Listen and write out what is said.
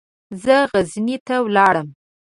زه غزني ته ولاړم.